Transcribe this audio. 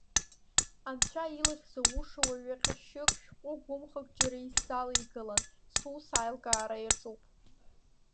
Анцәа илахь зоуша уаҩы ҟьашьык, шәҟәы гәымхак џьара исзалеигалан, сус аилкаара иаҿуп.